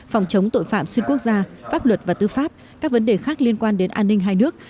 phòng chống tội phạm xuyên quốc gia pháp luật và tư pháp các vấn đề khác liên quan đến an ninh hai nước